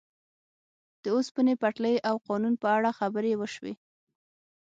د اوسپنې پټلۍ او قانون په اړه خبرې وشوې.